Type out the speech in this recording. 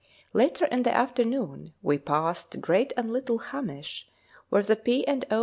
Later in the afternoon we passed Great and Little Hamish, where the P. and O.